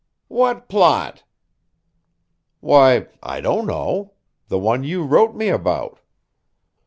"What plot?" "Why, I don't know. The one you wrote me about."